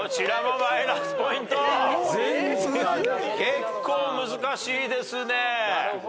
結構難しいですね。